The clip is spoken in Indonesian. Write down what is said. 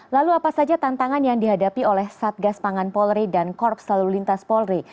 lalu apa saja tantangan yang dihadapi oleh satgas pangan polri dan korps lalu lintas polri